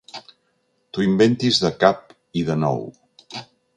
T'ho inventis de cap i de nou.